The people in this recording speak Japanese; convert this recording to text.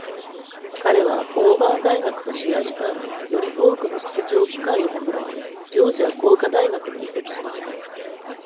彼はオーバーン大学と試合した後、より多くの出場機会を求めてジョージア工科大学に移籍しました。